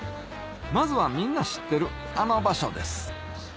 まずはみんな知ってるあの場所です